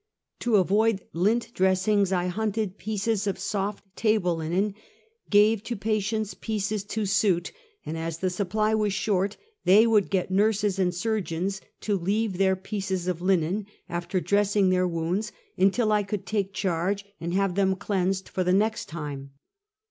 To avoid lint dressings, I hunted pieces of soft, table linen, gave to patients pieces to suit, and as the supply was short they would get nurses and surgeons to leave their pieces of linen, after dressing their wounds until I should take charge, and have them cleansed for next time.